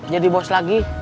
jadi bos lagi